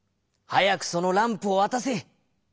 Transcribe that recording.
はやくそのランプをわたせ」。